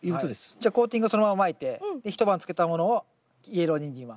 じゃあコーティングはそのまままいて一晩つけたものをイエローニンジンは。